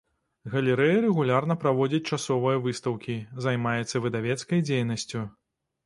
Галерэя рэгулярна праводзіць часовыя выстаўкі, займаецца выдавецкай дзейнасцю.